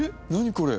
これ。